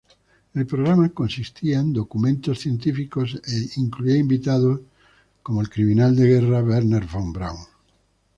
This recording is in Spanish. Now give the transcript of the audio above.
El programa consistía en documentales científicos e incluía invitados como Werner Von Braun.